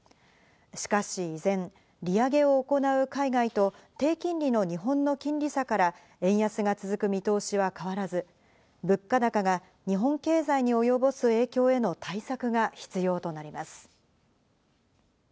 しかし依然、利上げを行う海外と、低金利の日本の金利差から円安が続く見通しは変わらず、物価高が日本経済に及ぼす影響への対策が必要となります。